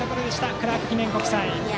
クラーク記念国際の攻撃。